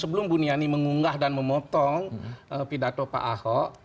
sebelum buniani mengunggah dan memotong pidato pak ahok